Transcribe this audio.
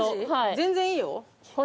全然いいよ。